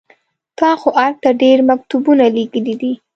تا خو ارګ ته ډېر مکتوبونه لېږلي دي.